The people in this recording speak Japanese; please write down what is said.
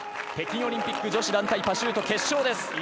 北京オリンピック女子団体パシュート決勝です。